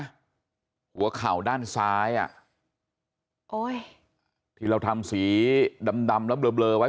หัวเข่าด้านซ้ายอ่ะโอ้ยที่เราทำสีดำดำแล้วเบลอไว้